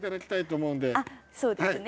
そうですね。